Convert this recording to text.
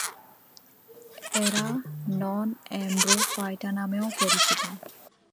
এরা নন-এম্ব্রোফাইটা নামেও পরিচিত।